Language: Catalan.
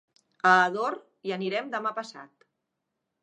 A Ador hi anem demà passat.